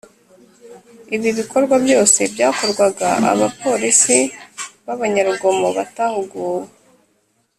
Ibi bikorwa byose byakorwaga abapolisi b’abanyarugomo batahuguwe